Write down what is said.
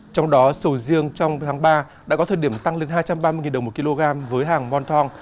trong đó sầu riêng trong tháng ba đã có thời điểm tăng lên hai trăm ba mươi đồng một kg với hàng monton